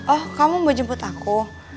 oh kamu mau jemput aku